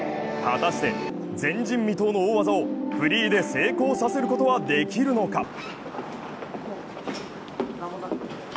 果たして前人未到の大技をフリーで成功させることはできるのか。